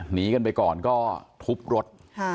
หนีกันไปก่อนก็ทุบรถ